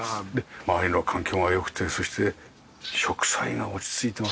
周りの環境が良くてそして植栽が落ち着いてます。